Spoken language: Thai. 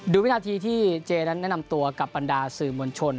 ดูวินาทีที่เจนั้นแนะนำตัวกับปัญดาอาสิวมันชน